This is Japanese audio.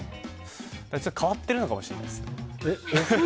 変わってるのかもしれないですね。